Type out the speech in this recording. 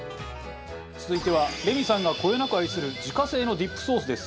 続いてはレミさんがこよなく愛する自家製のディップソースです。